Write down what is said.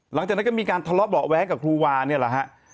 หลังจากนั้นก็มีการทะเลาะเบาะแว้งกับครูวาเนี่ยแหละฮะ